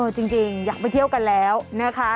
จริงอยากไปเที่ยวกันแล้วนะคะ